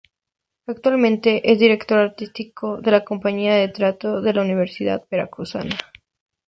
Actualmente es director artístico de la Compañía de Teatro de la Universidad Veracruzana.